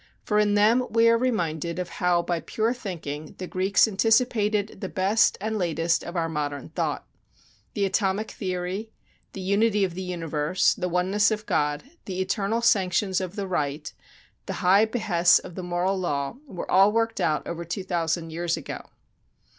For in them we are reminded of how by pure thinking the Greeks anticipated the best and latest of our modern thought. The atomic theory, the unity of the universe, the oneness of God, the eternal sanctions of the right, the high behests of the moral law, were all worked out over two thousand years ago.